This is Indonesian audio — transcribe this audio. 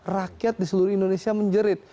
rakyat di seluruh indonesia menjerit